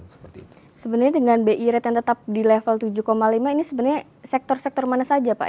sebenarnya dengan bi rate yang tetap di level tujuh lima ini sebenarnya sektor sektor mana saja pak